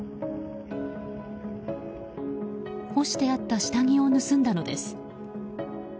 干してあった下着を盗んだのです。